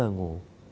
bốn giờ ngủ